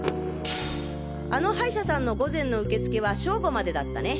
あの歯医者さんの午前の受付は正午までだったね。